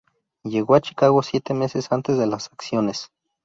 Llegó a Chicago siete meses antes de las acciones.